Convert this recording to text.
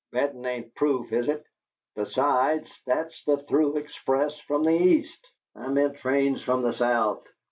"Bettin' ain't proof, is it? Besides, that's the through express from the East. I meant trains from the South."